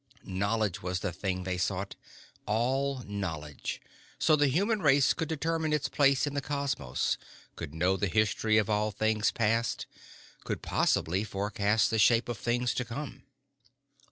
Knowledge was the thing they sought, all knowledge, so the human race could determine its place in the cosmos, could know the history of all things past, could possibly forecast the shape of things to come.